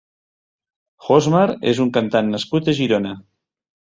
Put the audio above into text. Josmar és un cantant nascut a Girona.